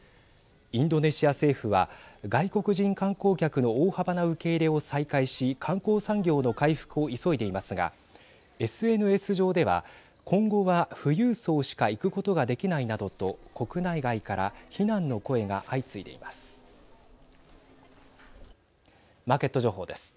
インドネシア政府は外国人観光客の大幅な受け入れを再開し観光産業の回復を急いでいますがＳＮＳ上では今後は、富裕層しか行くことができないなどと国内外から非難の声が相次いでいます。